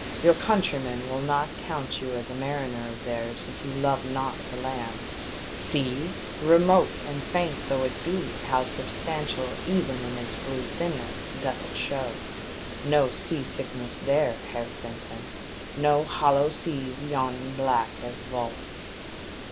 "Your countrymen will not count you as a mariner of theirs if you love not the land ! See ! Remote and faint though it be, how substantial even in its blue thinness doth it show ! No sea sickness there, Heer Fen ton ! No hollow seas yawning black as vaults